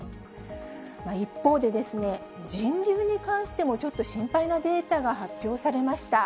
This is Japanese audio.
一方で、人流に関しても、ちょっと心配なデータが発表されました。